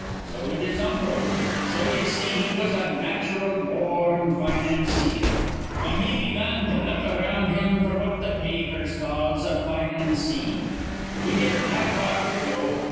So did his uncle. So ye see he was a natural bor rn fi nanceer. An' he begun to luk around him f'r what th' pa apers calls a 'financee.' "He didn't have far to go.